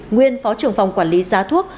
nguyên phó trưởng phòng quản lý giá thuốc